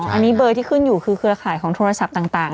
อันนี้เบอร์ที่ขึ้นอยู่คือเครือข่ายของโทรศัพท์ต่าง